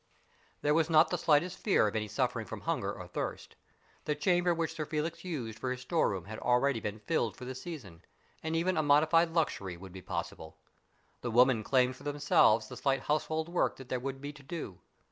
There was not the slightest fear of any suffering from hunger or thirst. The chamber which Sir Felix used for his store room had already been rilled for the season, and even a modified luxury would be possible. The women claimed for themselves the slight household work that there would be to do.